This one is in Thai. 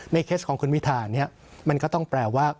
ในเคสของคุณวิทามันก็ต้องแปลว่า